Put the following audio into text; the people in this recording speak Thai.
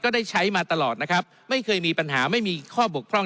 ก็ได้ใช้มาตลอดนะครับ